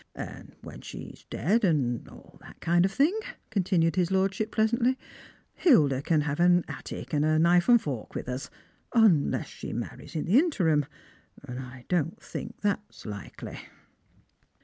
And when phe's dead, and all that kind of thing," continiied his lordship pleasantly, " Hilda can have an attic and a knife and fork with us, unless she marries in the interim, and I don't think that's likely."